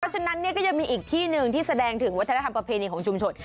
ฉะนั้นก็ยังมีอีกที่หนึ่งที่แสดงถึงวัฒนธรรมประเพณีของชุมชน